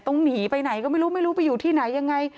หนีไปไหนก็ไม่รู้ไม่รู้ไปอยู่ที่ไหนยังไง